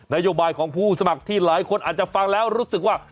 โยบายของผู้สมัครที่หลายคนอาจจะฟังแล้วรู้สึกว่า